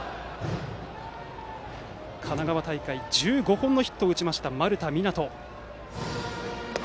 神奈川大会、１５本のヒットを打った丸田湊斗。